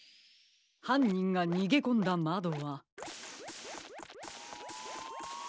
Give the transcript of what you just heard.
はんにんがにげこんだまどは。